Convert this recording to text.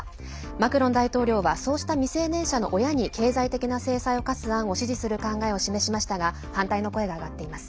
マクロン大統領はそうした未成年者の親に経済的な制裁を科す案を示しましたが反対の声が上がっています。